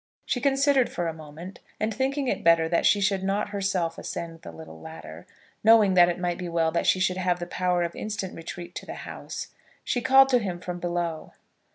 She considered for a moment, and thinking it better that she should not herself ascend the little ladder, knowing that it might be well that she should have the power of instant retreat to the house, she called to him from below.